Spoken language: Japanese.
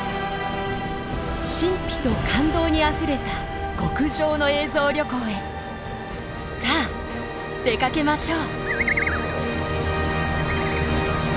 神秘と感動にあふれた極上の映像旅行へさあ出かけましょう！